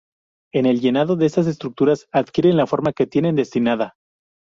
En el llenado, estas estructuras adquieren la forma que tienen destinada.